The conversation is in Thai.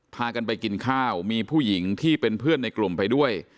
พากันไปกินข้าวมีผู้หญิงที่เป็นเพื่อนในกลุ่มไปด้วย